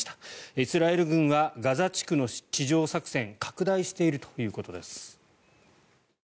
イスラエル軍はガザ地区の地上作戦拡大しているということです。